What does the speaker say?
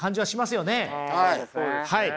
はい。